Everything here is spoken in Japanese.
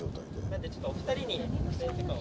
なんでちょっとお二人に撮影許可を。